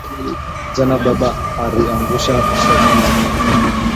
Jana baba ariangusha shoka ya mama